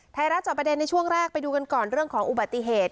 จอบประเด็นในช่วงแรกไปดูกันก่อนเรื่องของอุบัติเหตุ